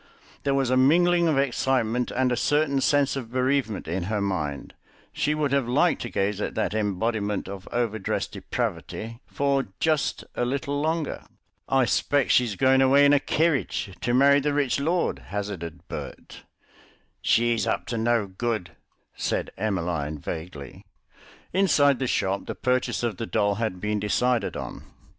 There was a mingling of excitement and a certain sense of bereavement in her mind; she would have liked to gaze at that embodiment of overdressed depravity for just a little longer. "I 'spect she's going away in a kerridge to marry the rich lord," hazarded Bert. "She's up to no good," said Emmeline vaguely. Inside the shop the purchase of the doll had been decided on.